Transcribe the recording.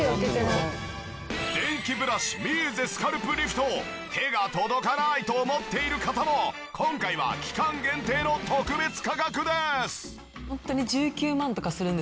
電気ブラシミーゼスカルプリフト手が届かないと思っている方も今回は期間限定の特別価格です！